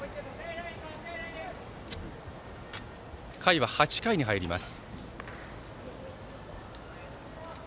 回は８回に入ります。